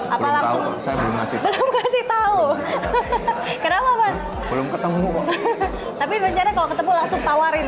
apa langsung masih tahu kenapa belum ketemu tapi bencana kalau ketemu langsung tawarin